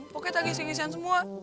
pokoknya kita ngisih ngisian semua